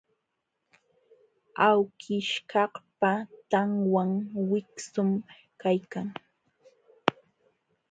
Awkishkaqpa tanwan wiksum kaykan.